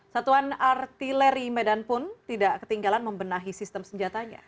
satuan artileri medan pun tidak ketinggalan membenahi sistem senjatanya